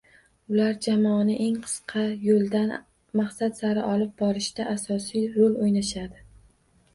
Ular jamoani eng qisqa yo’ldan maqsad sari olib borishda asosiy rol o’ynashadi